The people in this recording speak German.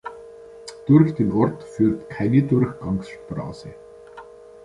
Durch den Ort führt keine Durchgangsstraße.